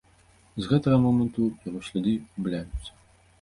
З гэтага моманту яго сляды губляюцца.